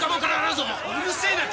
うるせえな！